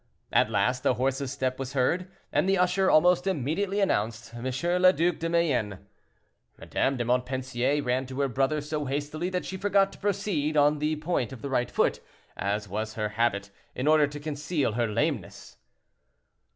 At last a horse's step was heard, and the usher almost immediately announced M. le Duc de Mayenne. Madame de Montpensier ran to her brother so hastily that she forgot to proceed on the point of the right foot, as was her habit, in order to conceal her lameness.